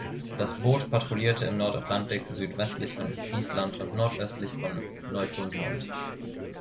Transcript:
Das Boot patrouillierte im Nordatlantik, südwestlich von Island und nordöstlich von Neufundland.